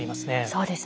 そうですね。